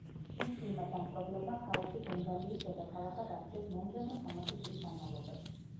მუსლიმმა დამპყრობლებმა ქალაქი ბენგალიის დედაქალაქად აქციეს მომდევნო სამასი წლის განმავლობაში.